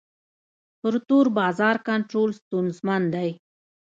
پر تور بازار کنټرول ستونزمن دی.